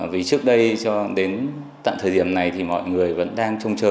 vì trước đây cho đến tận thời điểm này thì mọi người vẫn đang trông chờ